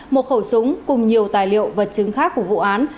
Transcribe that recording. một khẩu súng cùng nhiều tài liệu vật chứng khác của vụ án